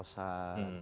ada yang pembohoran